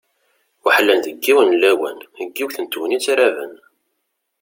Weḥlen deg yiwen n lawan, deg yiwet n tegnit raben.